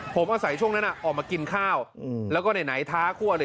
ผมอาศัยช่วงนั้นออกมากินข้าวแล้วก็ในไหนท้าพวก